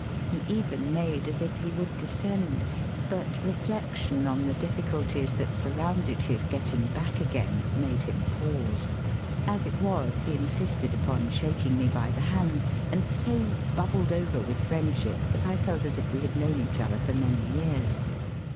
He even made as if he would descendy but reflection on the difficulties that surrounded his getting back again made him Digitized by VjOOQIC 264 EAST BY WEST. pause. As it was he insisted upon shaking me by the hand, and so bubbled over with friendship that I felt as if we had known each other for many years.